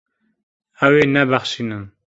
Ew ê nebexşînin.